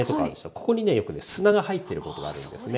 ここにねよくね砂が入ってることがあるんですね。